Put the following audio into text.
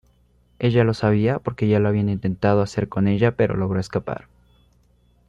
Ella lo sabía porque ya lo habían intentado hacer con ella pero logró escapar.